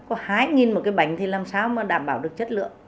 có hai một cái bánh thì làm sao mà đảm bảo được chất lượng